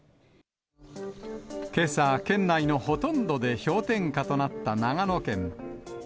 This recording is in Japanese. けさ、県内のほとんどで氷点下となった長野県。